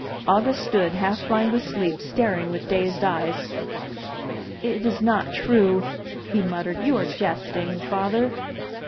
August stood, half blind with sleep, staring with dazed eyes. "It is not true?*' he muttered. "You are jesting, father?"